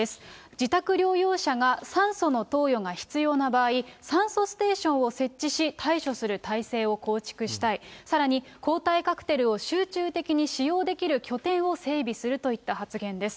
自宅療養者が酸素の投与が必要な場合、酸素ステーションを設置し、対処する体制を構築したい、さらに抗体カクテルを集中的に使用できる拠点を整備するといった発言です。